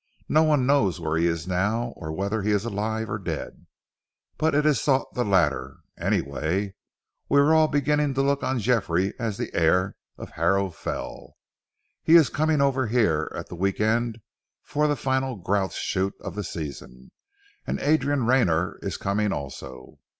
No one knows where he is now or whether he is alive or dead, but it is thought the latter; anyway, we are all beginning to look on Geoffrey as the heir of Harrow Fell. He is coming over here at the week end for the final grouse shoot of the season, and Adrian Rayner is coming also.